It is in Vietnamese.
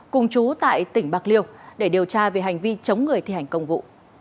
cùng chú tại tỉnh bạc liêu để điều tra về hành vi chống người thi hành công vụ